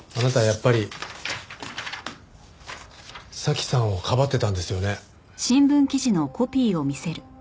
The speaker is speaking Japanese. やっぱり早紀さんをかばってたんですよね？